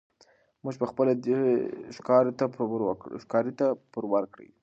موږ پخپله دی ښکاري ته پر ورکړی